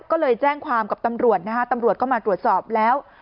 ก็เลยแจ้งความกับตำรวจนะฮะตำรวจก็มาตรวจสอบแล้ว